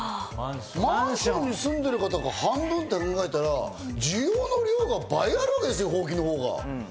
マンションに住んでる方が半分と考えたら、需要が倍あるわけですよ、ほうきのほうが。